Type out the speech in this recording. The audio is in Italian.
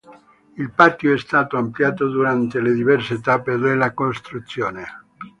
Il patio è stato ampliato durante le diverse tappe della costruzione.